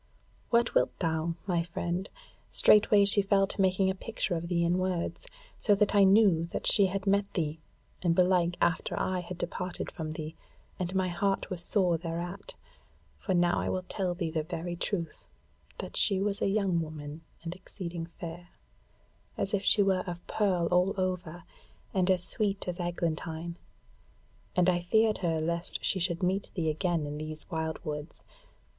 "What wilt thou, my friend? Straightway she fell to making a picture of thee in words; so that I knew that she had met thee, and belike after I had departed from thee, and my heart was sore thereat; for now I will tell thee the very truth, that she was a young woman and exceeding fair, as if she were of pearl all over, and as sweet as eglantine; and I feared her lest she should meet thee again in these wildwoods.